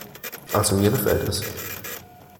Also mir gefällt es.